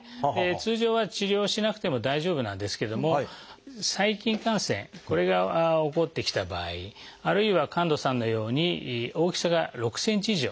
通常は治療しなくても大丈夫なんですけども細菌感染これが起こってきた場合あるいは神門さんのように大きさが６ｃｍ以上。